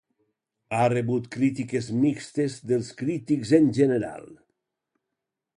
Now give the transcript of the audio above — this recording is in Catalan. Ha rebut crítiques mixtes dels crítics en general.